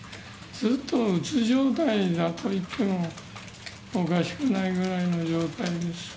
ずっとうつ状態といっても、おかしくないぐらいの状態です。